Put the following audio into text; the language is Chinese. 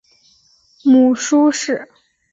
母舒氏。